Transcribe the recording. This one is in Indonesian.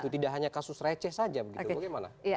tidak hanya kasus righteous saja bagaimana